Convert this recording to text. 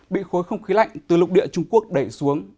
bị khối không khí lạnh từ lục địa trung quốc đẩy xuống